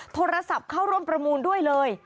โทรศัพท์เข้าร่วมประมูลด้วยเลย